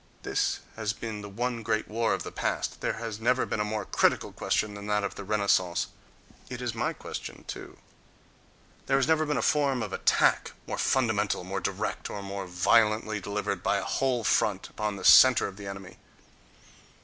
This has been the one great war of the past; there has never been a more critical question than that of the Renaissance—it is my question too—; there has never been a form of attack more fundamental, more direct, or more violently delivered by a whole front upon the center of the enemy!